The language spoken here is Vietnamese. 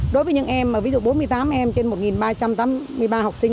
đối với những em mà ví dụ bốn mươi tám em trên một ba trăm tám mươi ba học sinh